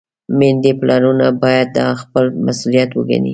میندې، پلرونه باید دا خپل مسؤلیت وګڼي.